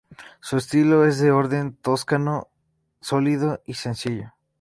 Su estilo es de orden toscano, sólido y sencillo.